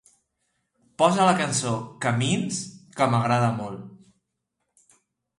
Posa la cançó "Camins" que m'agrada molt